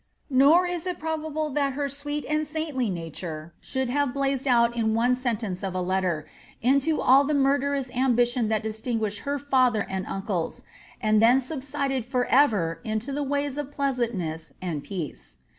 '' Nor is it probable that her sweet and saintly nature should have blazed out in one sentence of a letter, into all the murderous ambition that distinguished her &ther and undes, and then subsided for ever into the ways of pleasantness and peace.